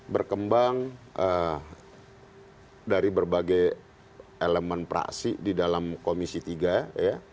berkembang dari berbagai elemen praksi di dalam komisi tiga ya